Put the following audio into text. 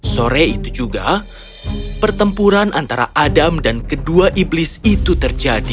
sore itu juga pertempuran antara adam dan kedua iblis itu terjadi